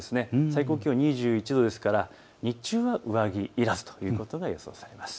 最高気温２１度ですから日中は上着いらずということが予想されます。